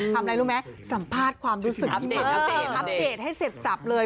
ทำอะไรรู้ไหมสัมภาษณ์ความรู้สึกอัปเดตให้สรรพจับเลย